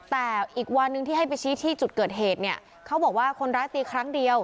แต่อีกวันหนึ่งที่ให้ไปชี้ที่จุดเกิดเหตุเนี่ยเขาบอกว่าคนร้ายตีครั้งเดียว